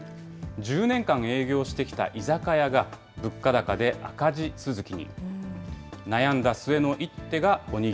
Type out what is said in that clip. １０年間営業してきた居酒屋が、物価高で赤字続きに。